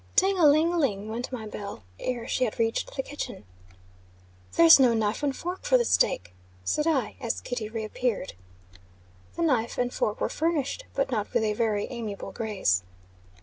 Ting a ling a ling, went my bell, ere she had reached the kitchen. "There's no knife and fork for the steak," said I, as Kitty re appeared. The knife and fork were furnished, but not with a very amiable grace.